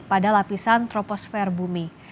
pada lapisan troposfer bumi